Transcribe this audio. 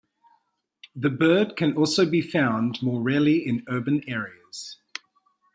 The bird can also be found more rarely in urban areas.